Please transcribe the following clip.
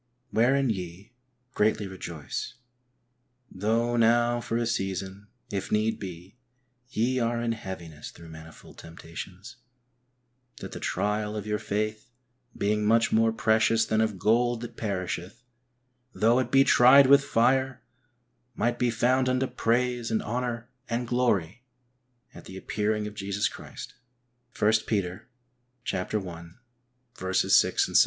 Wherein ye greatly rejoice, though now for a season, if need be, ye are in heaviness through manifold temptations, that the trial of your faith, being much more precious than of gold that perisheth, though it be tried with fire, might be found unto praise and honour and glory at the appearing of Jesus Christ (i Peter i. 6, 7).